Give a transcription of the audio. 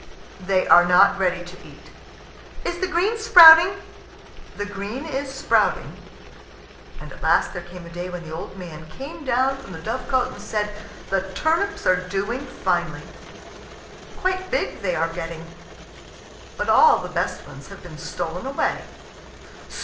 "They are not ready to eat." "Is the green sprouting?" "The green is sprouting." And at last there came a day when the old man came down from the dovecot and said: "The turnips are doing finely quite big they are getting; but all the best ones have been stolen away."